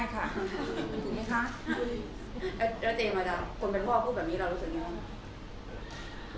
ถูกไหมคะแล้วเจมาดาคนเป็นพ่อพูดแบบนี้เรารู้สึกยังไง